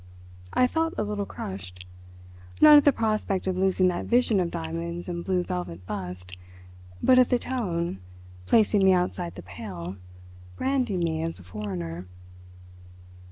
I felt a little crushed. Not at the prospect of losing that vision of diamonds and blue velvet bust, but at the tone—placing me outside the pale—branding me as a foreigner.